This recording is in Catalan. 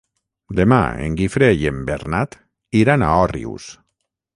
Demà en Guifré i en Bernat iran a Òrrius.